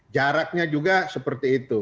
jaraknya juga seperti itu